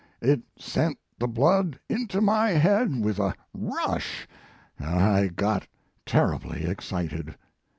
It sent the blood into my head with a rush, and I got terribly excited.